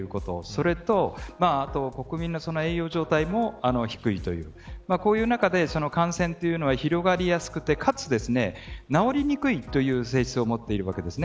それと国民の栄養状態も低いというその中で感染というのは広がりやすくかつ治りにくいという性質も持っています。